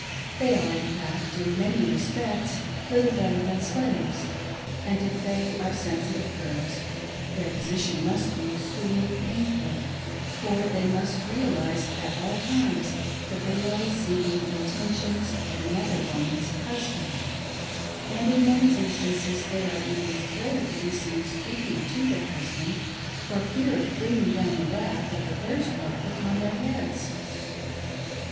They are, in fact, in many respects little hotter than slaves ; arid if they are sensitive girls, their posi tion musi; be extremely painful, for they must realise at all times that they are receiving the attentions of another 520 TROUBLES OF A PRETTY WELSH GIRL. woman's husband; and in many instances they are even afraid to be seen speaking to their husband for fear of bringing down the wrath of the first wife upon their heads.